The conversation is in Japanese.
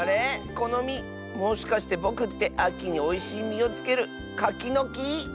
このみもしかしてぼくってあきにおいしいみをつけるカキのき？